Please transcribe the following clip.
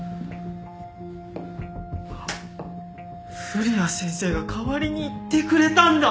古谷先生が代わりに言ってくれたんだ！